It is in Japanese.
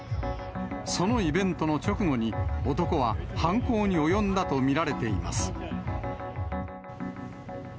そのイベントの直後に、男は犯行に及んだと見られています。